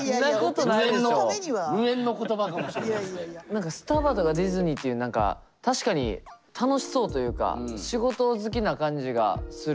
何かスタバとかディズニーっていう何か確かに楽しそうというか仕事好きな感じがする。